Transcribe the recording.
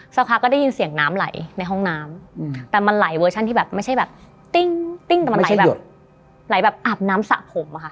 สักพักก็ได้ยินเสียงน้ำไหลในห้องน้ำแต่มันไหลเวอร์ชันที่แบบไม่ใช่แบบติ้งติ้งแต่มันไหลแบบไหลแบบอาบน้ำสระผมอะค่ะ